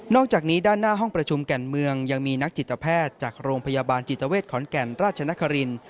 อกจากนี้ด้านหน้าห้องประชุมแก่นเมืองยังมีนักจิตแพทย์จากโรงพยาบาลจิตเวทขอนแก่นราชนคริน